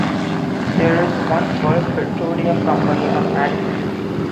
There is one Bulk petroleum Company on Active Duty.